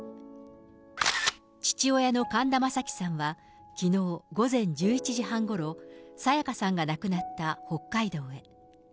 父親の神田正輝さんはきのう午前１１時半ごろ、沙也加さんが亡くなった北海道へ。